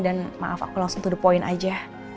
dan maaf aku langsung to the point aja